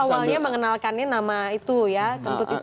awalnya mengenalkannya nama itu ya kentut itu